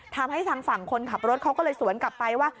ทางฝั่งคนขับรถเขาก็เลยสวนกลับไปว่า